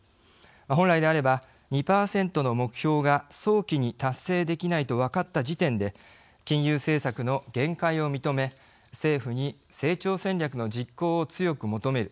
本来であれば、２％の目標が早期に達成できないと分かった時点で金融政策の限界を認め政府に成長戦略の実行を強く求める。